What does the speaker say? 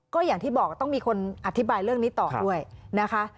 ก็อย่างที่บอกต้องมีคนอธิบายเรื่องนี้ต่อด้วยนะคะ